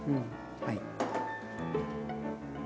はい。